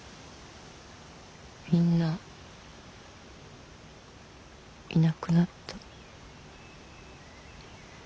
みんないなくなった。